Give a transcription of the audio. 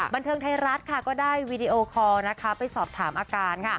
บันเทิงไทยรัฐก็ได้วีดีโอคอลไปสอบถามอาการ